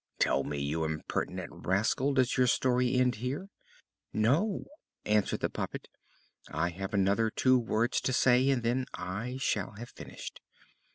"Tell me, you impertinent rascal, does your story end here?" "No," answered the puppet; "I have another two words to say and then I shall have finished.